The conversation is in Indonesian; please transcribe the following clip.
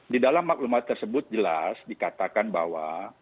di dalam maklumat tersebut jelas dikatakan bahwa